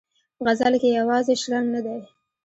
په غزل کې یې یوازې شرنګ نه دی.